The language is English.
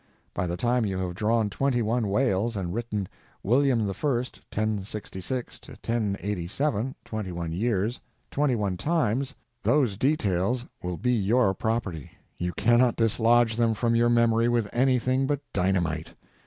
By the time you have drawn twenty one wales and written "William I.—1066 1087—twenty one years" twenty one times, those details will be your property; you cannot dislodge them from your memory with anything but dynamite.